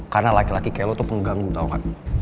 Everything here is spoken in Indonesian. karena laki laki kayak lo tuh pengganggu tau gak